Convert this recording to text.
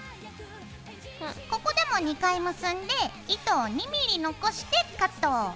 ここでも２回結んで糸を２ｍｍ残してカット。